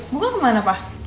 bunga kemana pak